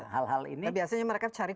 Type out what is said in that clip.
hal hal ini biasanya mereka cari